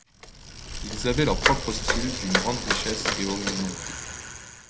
Ils avaient leur propre style d'une grande richesse et originalité.